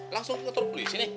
langsung ke kantor polisi nih